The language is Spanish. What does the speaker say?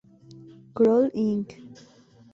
Kroll Inc.